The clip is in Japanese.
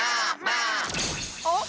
あっ！